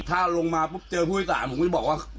ถ้าลงมาปุ๊บเจอผู้โดยสารผมก็จะบอกว่า